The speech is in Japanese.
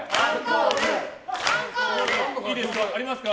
いいですか？